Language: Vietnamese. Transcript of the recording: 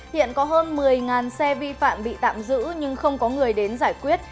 hiện có hơn một mươi xe vi phạm bị tạm giữ nhưng không có người đến giải quyết